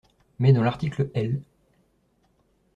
Mais dans l’article L.